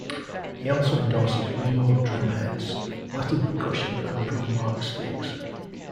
He also endorses Remo drumheads, Latin Percussion and Pro-Mark sticks.